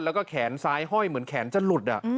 แล้วก็แขนซ้ายห้อยเหมือนแขนจะหลุด